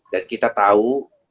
dan kita tahu